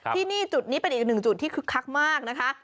ที่นี่จุดนี้เป็นอีกหนึ่งจุดที่คึกคักมากนะคะ